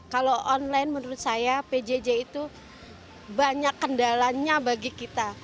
kalau online menurut saya pjj itu banyak kendalanya bagi kita